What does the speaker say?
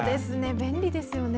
便利ですよね。